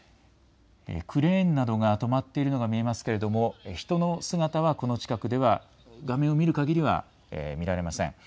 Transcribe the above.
クレーンなどが止まっているのが見えますけれども人の姿はこの近くでは画面を見るかぎりは見られません。